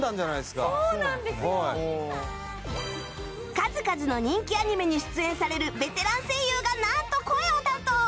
数々の人気アニメに出演されるベテラン声優がなんと声を担当！